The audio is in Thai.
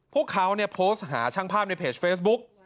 พวกเขาโพสต์หาช่างภาพในเพจเฟซบุ๊ก